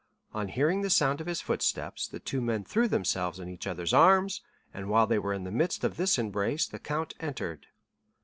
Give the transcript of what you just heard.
On hearing the sound of his footsteps, the two men threw themselves in each other's arms, and while they were in the midst of this embrace, the count entered.